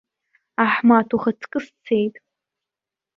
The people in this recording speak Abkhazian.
Аҳмаҭ ухаҵкы сцеит.